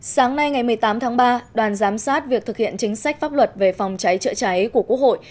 sáng nay ngày một mươi tám tháng ba đoàn giám sát việc thực hiện chính sách pháp luật về phòng cháy chữa cháy của quốc hội